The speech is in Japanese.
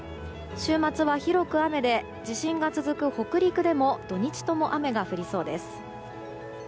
週末は広く雨で地震が続く北陸でも土日とも雨が降りそうです。